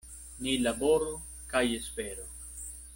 Ni laboru kaj esperu.